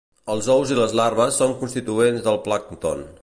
Els ous i les larves són constituents del plàncton.